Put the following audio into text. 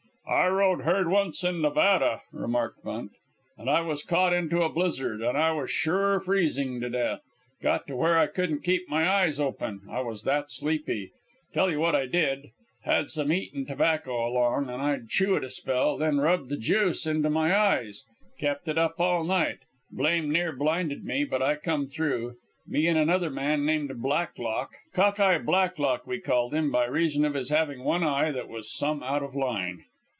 "I rode herd once in Nevada," remarked Bunt, "and I was caught into a blizzard, and I was sure freezing to death. Got to where I couldn't keep my eyes open, I was that sleepy. Tell you what I did. Had some eating tobacco along, and I'd chew it a spell, then rub the juice into my eyes. Kept it up all night. Blame near blinded me, but I come through. Me and another man named Blacklock Cock eye Blacklock we called him, by reason of his having one eye that was some out of line.